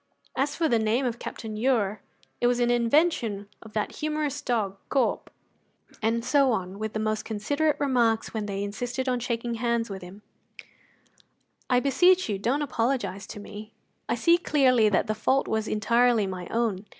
As for the name Captain Ure, it was an invention of that humourous dog, Corp." And so on, with the most considerate remarks when they insisted on shaking hands with him: "I beseech you, don't apologize to me; I see clearly that the fault was entirely my own.